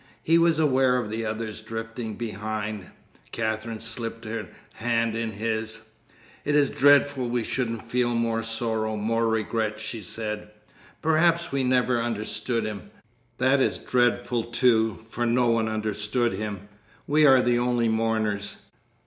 He was aware of the others drifting behind. Katherine slipped her hand in his. "It is dreadful we shouldn't feel more sorrow, more regret," she said. "Perhaps we never understood him. That is dreadful, too; for no one understood him. We are the only mourners."